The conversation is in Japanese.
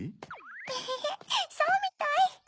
エヘヘそうみたい。